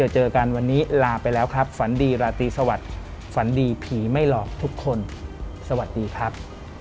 เจอกันวันนี้ลาไปแล้วครับฝันดีราตรีสวัสดิ์ฝันดีผีไม่หลอกทุกคนสวัสดีครับ